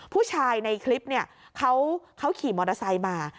ผู้ชายในคลิปเนี่ยเขาขี่มอเตอร์ไซค์มา